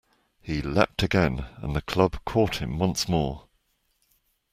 He leapt again, and the club caught him once more.